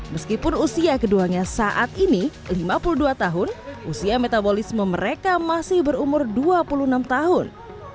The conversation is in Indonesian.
meskipun usia keduanya saat ini lima puluh dua tahun usia metabolisme mereka masih berumur dua puluh enam tahun